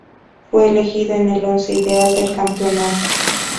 Fue elegido en el once ideal del campeonato.